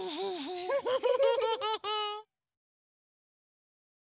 フフフフ。